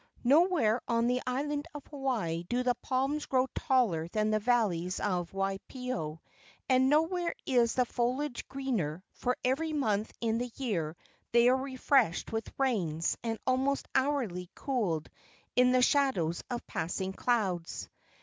Nowhere on the island of Hawaii do the palms grow taller than in the valleys of Waipio, and nowhere is the foliage greener, for every month in the year they are refreshed with rains, and almost hourly cooled in the shadows of passing clouds.